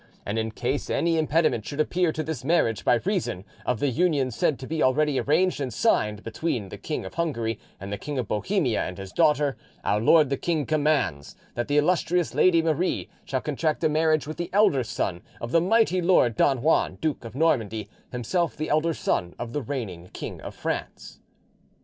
And in case any impediment should appear to this marriage by reason of the union said to be already arranged and signed between the King of Hungary and the King of Bohemia and his daughter, our lord the king commands that the illustrious lady Marie shall contract a marriage with the elder son of the mighty lord Don Juan, Duke of Normandy, himself the elder son of the reigning King of France."